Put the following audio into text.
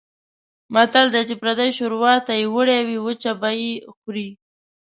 متل دی: چې پردۍ شوروا ته یې وړوې وچه به یې خورې.